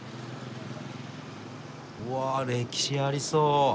うわぁ歴史ありそう。